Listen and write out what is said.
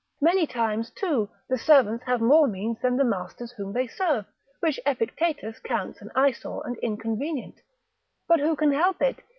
Many times, too, the servants have more means than the masters whom they serve, which Epictetus counts an eyesore and inconvenient. But who can help it?